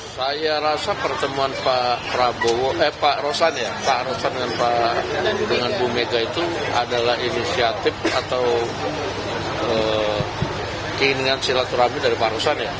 saya rasa pertemuan pak rosan dengan pak bumega itu adalah inisiatif atau keinginan silaturahmi dari pak rosan